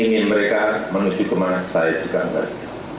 ingin mereka menuju kemana saya juga enggak